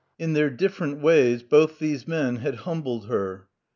In their different ways both these men had humbled her.